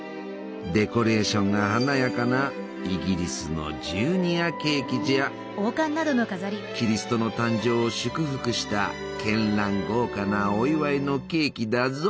デコレーションが華やかなイギリスのキリストの誕生を祝福したけんらん豪華なお祝いのケーキだぞ！